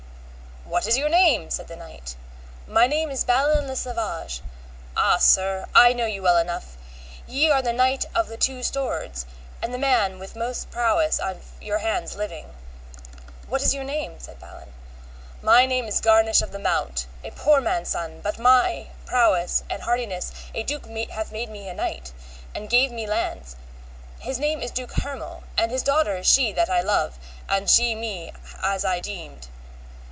What is your name? said the knight. My name is Balin le Savage. Ah, sir, I know you well enough, ye are the Knight with the Two Swords, and the man of most prowess of your hands living. What is your name? said Balin. My name is Garnish of the Mount, a poor man's son, but by my prowess and hardiness a duke hath made me knight, and gave me lands; his name is Duke Hermel, and his daughter is she that I love, and she me as I deemed.